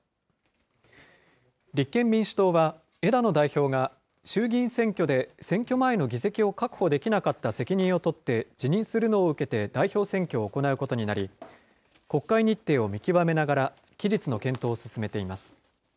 立憲民主党は枝野代表が衆議院選挙で選挙前の議席を確保できなかった責任を取って辞任するのを受けて代表選挙を行うことになり、国会日程を見極めながら、期日の検討を進めています。